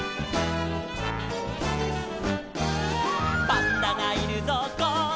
「パンダがいるぞこっちだ」